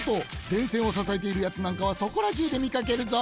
でんせんをささえているやつなんかはそこらじゅうでみかけるぞ！